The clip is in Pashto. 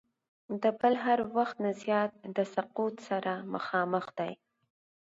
د بل هر وخت نه زیات د سقوط سره مخامخ دی.